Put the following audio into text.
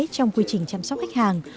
trong quy trình chăm sóc khách hàng